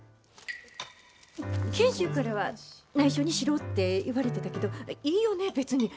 賢秀からは、ないしょにしろって言われてたけど、いいよね